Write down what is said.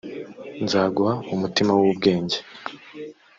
nzaguha umutima w ubwenge